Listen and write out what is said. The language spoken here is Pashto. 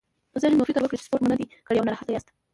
که ذهن مو فکر وکړي چې سپورت مو نه دی کړی او ناراسته ياست.